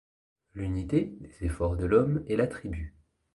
L’unité, des efforts de l’homme est l’attribut.